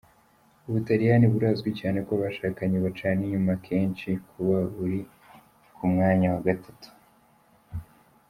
Ubutaliyani burazwi cyane ko abashakanye bacana inyuma kenshi, kuba buri ku mwanya wa gatatu.